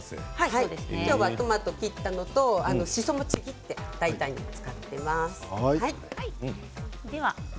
今日はトマトを切ったのとしそもちぎって大胆に使っています。